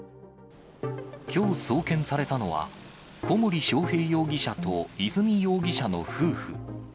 きょう送検されたのは、小森章平容疑者と和美容疑者の夫婦。